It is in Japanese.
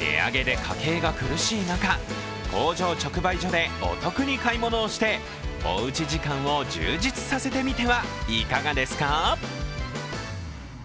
値上げで家計が苦しい中、工場直売所でお得に買い物をしておうち時間を充実させてみてはいかがですか？